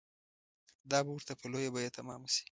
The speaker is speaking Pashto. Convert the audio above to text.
دا به ورته په لویه بیه تمامه شي.